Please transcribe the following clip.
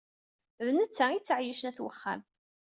D netta i ittɛeyyicen at uxxam.